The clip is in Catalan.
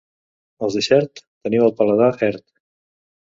Els de Xert, teniu el pardal ert.